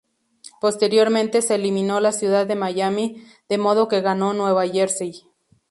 Posteriormente se eliminó la ciudad de Miami, de modo que ganó Nueva Jersey.